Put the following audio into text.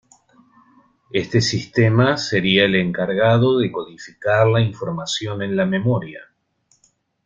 Este sistema sería el encargado de codificar la información en la memoria.